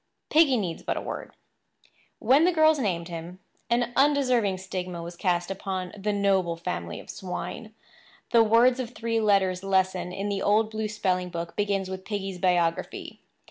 Piggy needs but a word. When the girls named him, an undeserving stigma was cast upon the noble family of swine. The words of three letters lesson in the old blue spelling book begins with Piggy's biography.